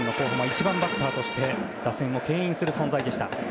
１番バッターとして打線を牽引する存在でした。